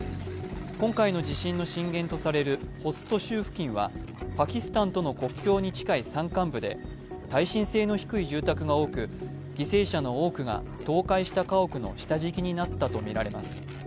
今回の地震の震源とされるホスト州付近は、パキスタンとの国境に近い山間部で耐震性の低い住宅が多く、犠牲者の多くが倒壊した家屋の下敷きになったとみられます。